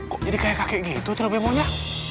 kok jadi kakek gitu trio bemunya